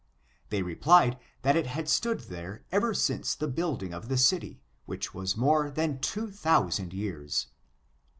They replied that it had stood there ever since the building of the city, which was more than two thousand years.